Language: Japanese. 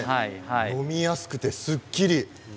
飲みやすくて、すっきり。